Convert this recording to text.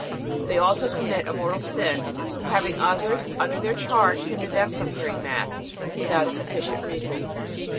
They also commit a mortal sin who, having others under their charge, hinder them from hearing Mass, without a sufficient reason.